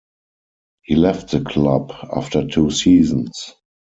He left the club after two seasons.